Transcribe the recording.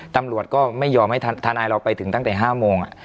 ตำรวจก็ไม่ยอมให้ทนายเราไปถึงตั้งแต่๕โมง